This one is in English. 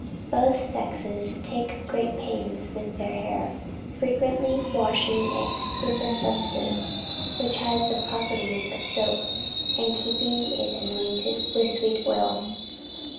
Both sexes take great pains with their hair, frequently washing it with a substance which has the properties of soap, and keeping it anointed with sweet oil."